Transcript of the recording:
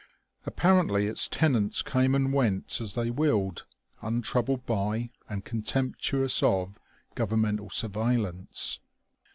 Apparently its tenants came and went as they willed, untroubled by and contemptuous of governmental surveillance.